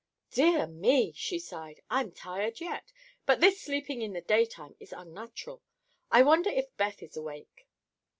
"Dear me!" she sighed, "I'm tired yet, but this sleeping in the daytime is unnatural. I wonder if Beth is awake."